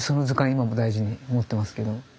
今も大事に持ってますけど。